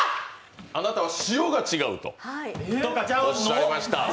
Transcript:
あなたは塩が違うとおっしゃいました。